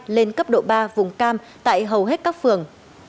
lên cấp độ ba vùng cam tại hầu hết các phường